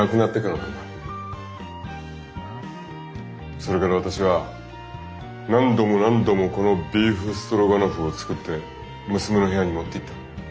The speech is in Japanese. それから私は何度も何度もこのビーフストロガノフを作って娘の部屋に持っていった。